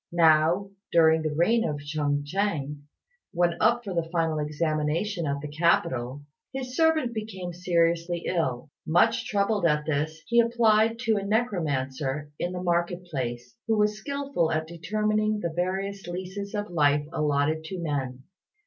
Now, during the reign of Ch'ung Chêng, when up for the final examination at the capital, his servant became seriously ill. Much troubled at this, he applied to a necromancer in the market place who was skilful at determining the various leases of life allotted to men.